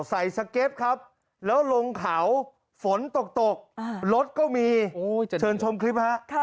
ใส่สเกฟครับแล้วลงเขาฝนตกตกอ่ารถก็มีโอ้ยเจนชมคลิปฮะค่ะ